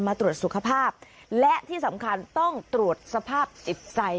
ตรวจสุขภาพและที่สำคัญต้องตรวจสภาพจิตใจ